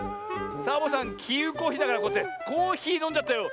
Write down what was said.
サボさんきうこひだからこうやってコーヒーのんじゃったよ。